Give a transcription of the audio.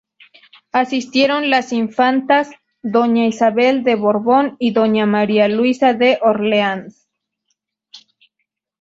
Asistieron las infantas doña Isabel de Borbón y doña María Luisa de Orleáns.